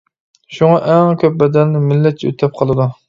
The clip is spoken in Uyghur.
شۇڭا ئەڭ كۆپ بەدەلنى مىللەتچى ئۆتەپ قالىدۇ.